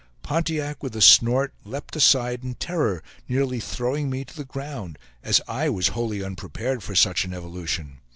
Pontiac with a snort, leaped aside in terror, nearly throwing me to the ground, as I was wholly unprepared for such an evolution.